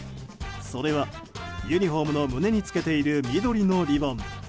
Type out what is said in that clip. それはユニホームの胸につけている緑のリボン。